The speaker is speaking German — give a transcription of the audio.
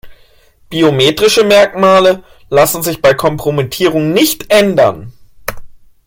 Biometrische Merkmale lassen sich bei Kompromittierung nicht ändern.